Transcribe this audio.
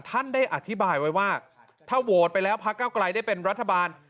ท่านได้อธิบายไว้ว่าถ้าโหวตไปแล้วพระเก้าไกลได้เป็นรัฐบาล